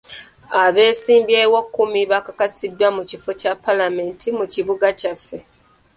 Abeesimbyewo kkumi bakakasiddwa ku kifo kya paalamenti mu kibuga kyaffe.